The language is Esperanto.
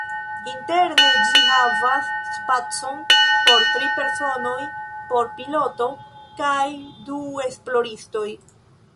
Interne ĝi havas spacon por tri personoj, por piloto kaj du esploristoj.